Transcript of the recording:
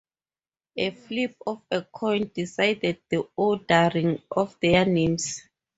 A flip of a coin decided the ordering of their names.